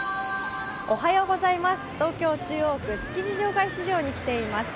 東京・中央区築地場外市場に来ています。